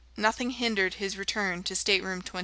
Nothing hindered his return to Stateroom 29.